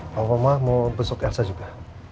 pak mama mau besok elsa juga